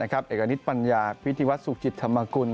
เอกณิตปัญญาพิธีวัฒนสุขจิตธรรมกุล